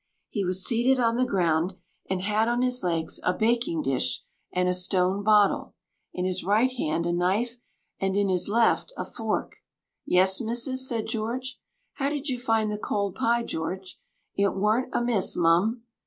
He was seated on the ground, and had on his legs a baking dish and a stone bottle, in his right hand a knife, and in his left a fork. "Yes, missus," said George. "How did you find the cold pie, George?" "It warn't amiss, mum."